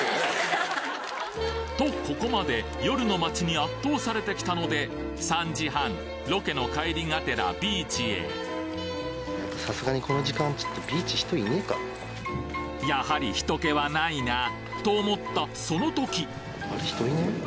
とここまで夜の街に圧倒されてきたので３時半ロケの帰りがてらビーチへやはり人気はないなと思ったその時！